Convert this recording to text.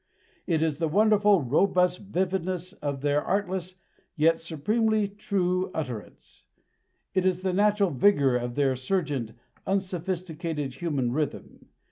It is the wonderful, robust vividness of their artless yet supremely true utterance; it is the natural vigor of their surgent, unsophisticated human rhythm.